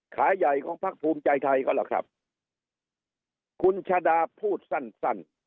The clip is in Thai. ขาใหญ่ของพักภูมิใจไทยก็ล่ะครับคุณชาดาพูดสั้นสั้น